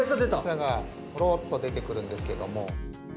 餌がポロッと出てくるんですけども。